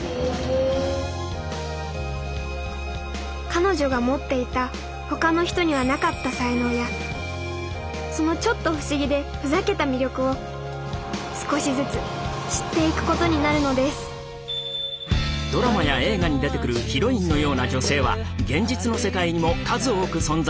彼女が持っていたほかの人にはなかった才能やそのちょっと不思議でふざけた魅力を少しずつ知っていくことになるのですドラマや映画に出てくるヒロインのような女性は現実の世界にも数多く存在している。